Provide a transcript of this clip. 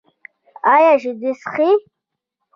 ایا شیدې څښئ؟